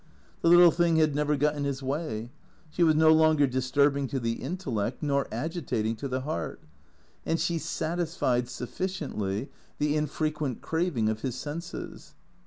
The little thing had never got in his way. She was no longer disturbing to the intellect, nor agitating to the heart; and she satisfied, suf ficiently, the infrequent craving of his senses.